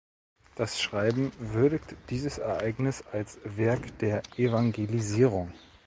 Das Schreiben würdigt dieses Ereignis als „Werk der Evangelisierung“.